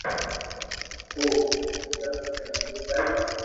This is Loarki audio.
او اوني ھمجاوُ ڪہ متي ڪر